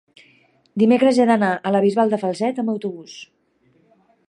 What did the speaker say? dimecres he d'anar a la Bisbal de Falset amb autobús.